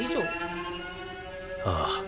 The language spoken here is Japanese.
ああ。